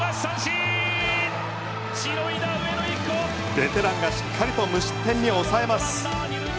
ベテランがしっかりと無失点に抑えます。